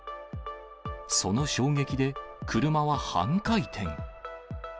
その衝撃で、車は半回転。